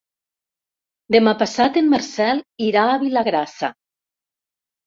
Demà passat en Marcel irà a Vilagrassa.